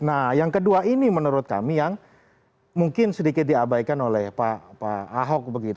nah yang kedua ini menurut kami yang mungkin sedikit diabaikan oleh pak ahok